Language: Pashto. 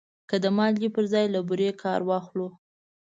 که د مالګې پر ځای له بورې کار واخلو.